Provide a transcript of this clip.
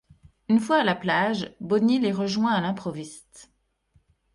Une fois à la plage, Bonnie les rejoint à l'improviste.